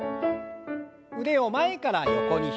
腕を前から横に開いて。